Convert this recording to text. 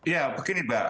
ya begini mbak